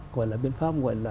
gọi là biện pháp gọi là